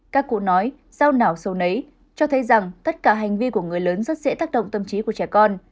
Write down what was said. các cụ nói sau nào sâu nấy cho thấy rằng tất cả hành vi của người lớn rất dễ tác động tâm trí của trẻ con